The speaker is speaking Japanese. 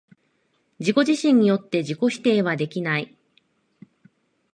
自己自身によって自己否定はできない。